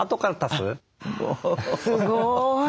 すごい。